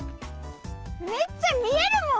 めっちゃ見えるもん。